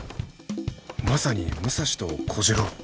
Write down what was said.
まさに武蔵と小次郎。